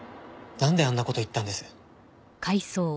なんであんな事言ったんです？